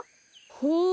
ほう。